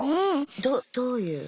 どどういう？